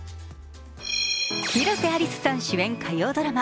広瀬アリスさん主演火曜ドラマ